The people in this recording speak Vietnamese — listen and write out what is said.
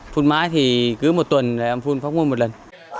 phun mái thì cứ một tuần em phun phóng môn một lần